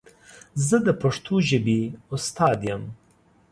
زه د پښتو ژبې استاد یم.